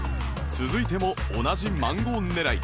続いても同じマンゴー狙い